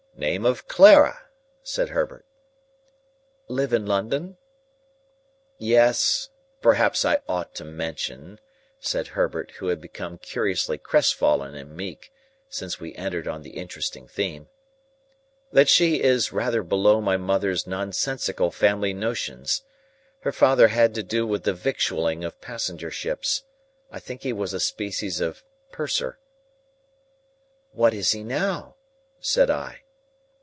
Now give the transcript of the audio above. "Name of Clara," said Herbert. "Live in London?" "Yes, perhaps I ought to mention," said Herbert, who had become curiously crestfallen and meek, since we entered on the interesting theme, "that she is rather below my mother's nonsensical family notions. Her father had to do with the victualling of passenger ships. I think he was a species of purser." "What is he now?" said I.